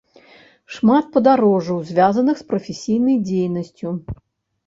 Шмат падарожжаў, звязаных з прафесійнай дзейнасцю.